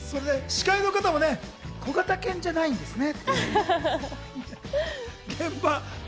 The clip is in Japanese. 司会の方もね、「小型犬じゃないんですね」